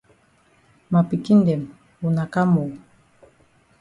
Ma pikin dem wuna kam oo.